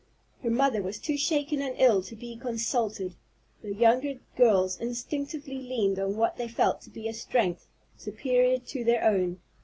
Her mother was too shaken and ill to be consulted, the younger girls instinctively leaned on what they felt to be a strength superior to their own.